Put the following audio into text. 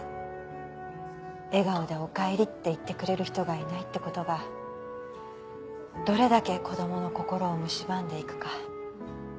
笑顔で「おかえり」って言ってくれる人がいないって事がどれだけ子供の心をむしばんでいくか。